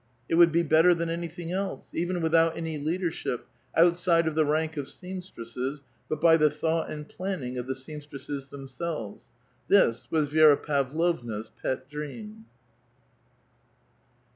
It ipvould be better than anything else ; even without any Xeadership, outside of the rank of seamstresses, but by the 'C^liought and planning of the seamstresses themselves. This ^w^as Vi^ra Pavlovna's pet dream.